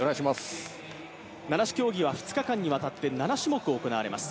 七種競技は２日間にわたって７種目行われます。